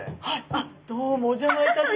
あっどうもお邪魔いたします。